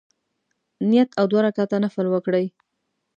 نیت او دوه رکعته نفل وکړي.